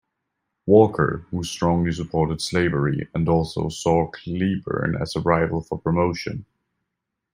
Walker, who strongly supported slavery and also saw Cleburne as a rival for promotion.